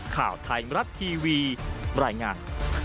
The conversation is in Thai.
ข่าวไทยมรัฐทีวีบรรยายงาน